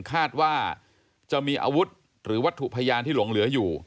คาดว่าจะมีอาวุธหรือวัตถุพยานที่หลงเหลืออยู่